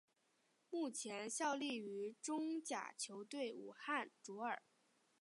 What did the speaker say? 目前效力于中甲球队武汉卓尔。